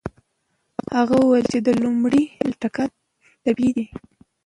هغه وویل چې د لومړي ځل ټکان طبيعي دی.